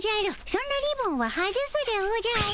そんなリボンは外すでおじゃる。